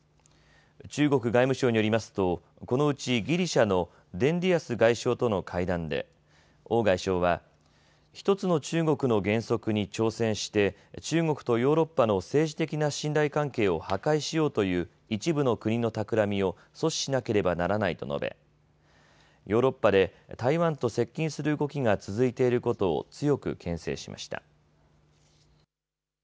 中国外務省によりますとこのうちギリシャのデンディアス外相との会談で王外相は一つの中国の原則に挑戦して中国とヨーロッパの政治的な信頼関係を破壊しようという一部の国のたくらみを阻止しなければならないと述べヨーロッパで台湾と接近する動きが続いていることを強くけん制しました。